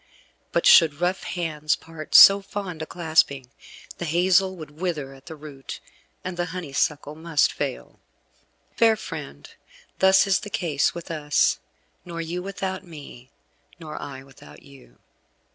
But should rough hands part so fond a clasping, the hazel would wither at the root, and the honeysuckle must fail. Fair friend, thus is the case with us, nor you without me, nor I without you.